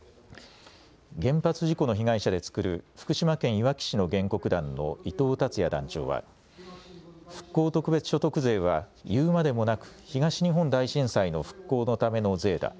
原発事故の被害者で作る福島県いわき市の原告団の伊東達也団長は復興特別所得税はいうまでもなく東日本大震災の復興のための税だ。